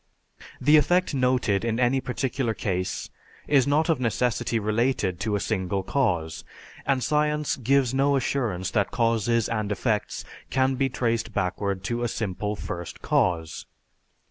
The effect noted in any particular case is not of necessity related to a single cause, and science gives no assurance that causes and effects can be traced backward to a simple First Cause.